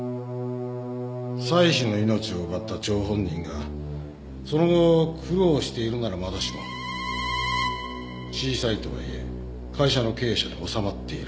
妻子の命を奪った張本人がその後苦労しているならまだしも小さいとはいえ会社の経営者に納まっている。